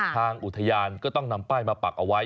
ทางอุทยานก็ต้องนำป้ายมาปักเอาไว้